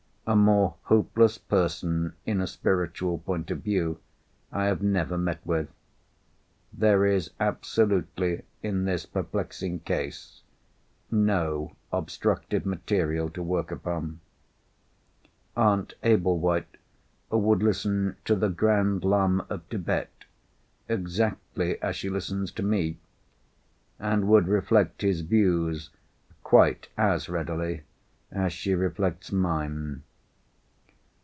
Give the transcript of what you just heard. A more hopeless person, in a spiritual point of view, I have never met with—there is absolutely, in this perplexing case, no obstructive material to work upon. Aunt Ablewhite would listen to the Grand Lama of Thibet exactly as she listens to Me, and would reflect his views quite as readily as she reflects mine.